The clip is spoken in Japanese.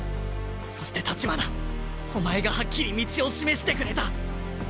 そして橘お前がはっきり道を示してくれた。